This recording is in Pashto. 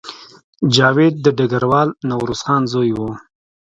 جاوید د ډګروال نوروز خان زوی و